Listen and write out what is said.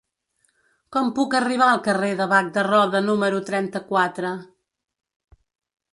Com puc arribar al carrer de Bac de Roda número trenta-quatre?